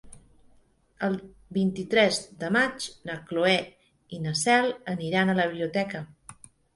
El vint-i-tres de maig na Cloè i na Cel aniran a la biblioteca.